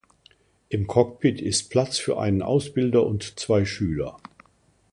Im Cockpit ist Platz für einen Ausbilder und zwei Schüler.